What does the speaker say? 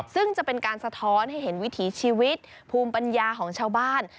ซึ่งจะเป็นการสะท้อนให้เห็นวิถีชีวิตภูมิปัญญาของชาวบ้าน